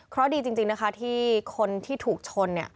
เพราะดีจริงนะคะที่คนที่ถูกชน